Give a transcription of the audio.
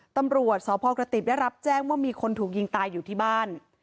ตำรวจสพกระติบได้รับแจ้งว่ามีคนถูกยิงตายอยู่ที่บ้าน